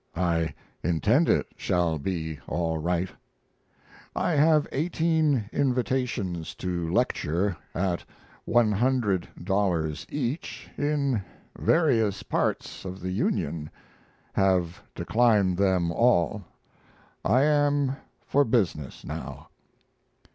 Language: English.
I intend it shall be all right. I have 18 invitations to lecture, at $100 each, in various parts of the Union have declined them all. I am for business now.